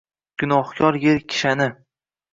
Gunohkor yer kishani.